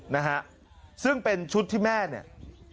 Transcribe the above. นะฮะซึ่งเป็นชุดที่แม่เนี่ย